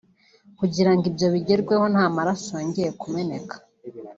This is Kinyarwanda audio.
Kugira ngo ibyo bigerweho nta maraso yongeye kumeneka